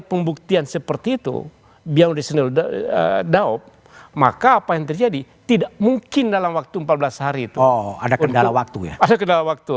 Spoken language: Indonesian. pembuktian seperti itu beyond reasonable doubt maka apa yang terjadi tidak mungkin dalam waktu empat belas hari itu